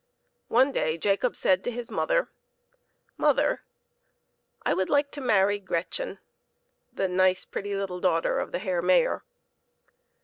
One day Jacob said to his mother, " Mother, I would like to marry Gret chen the nice, pretty little daughter of the Herr Mayor."